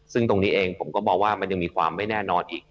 ซึ่งตรงนี้เองผมก็มองว่ามันยังมีความไม่แน่นอนอีก